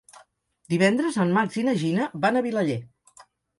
Divendres en Max i na Gina van a Vilaller.